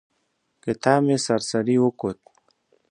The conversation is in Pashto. کتاب مې سر سري وکوت.